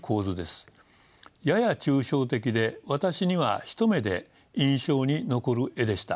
やや抽象的で私には一目で印象に残る絵でした。